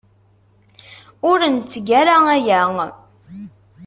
Ur netteg ara aya.